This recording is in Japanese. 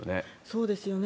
そうですよね。